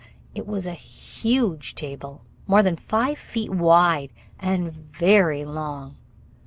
It was a huge table, more than five feet wide and very long.